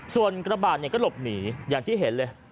ส่วนกระบาดก็หลบหนีอย่างที่เห็นเลย